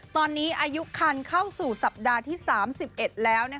ตอนนี้อายุคันเข้าสู่สัปดาห์ที่๓๑แล้ว